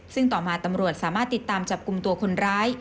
ซึ่งต่อมาตำรวจสามารถติดตามจับกลุ่มตัวคนร้าย